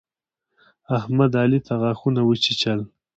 احمد، علي ته غاښونه وچيچل.